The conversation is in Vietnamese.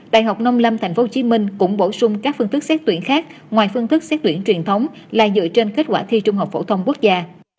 đại học nông lâm tp hcm cũng bổ sung các phương thức xét tuyển khác ngoài phương thức xét tuyển truyền thống là dựa trên kết quả thi trung học phổ thông quốc gia